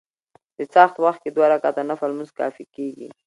د څاښت وخت کي دوه رکعته نفل لمونځ کافي کيږي